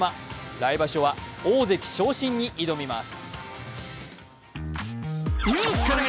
来場所は大関昇進に挑みます。